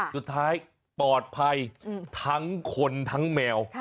สุดท้ายปลอดภัยทั้งคนทั้งแมว